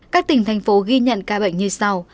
các tỉnh thành phố ghi nhận ca bệnh như sau